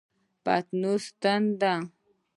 پینځوس سنټه